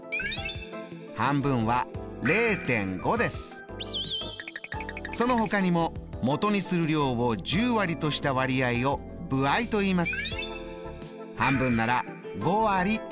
半分はそのほかにももとにする量を１０割とした割合を歩合といいます。